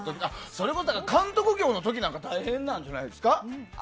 それこそ監督業の時とか大変なんじゃないですか。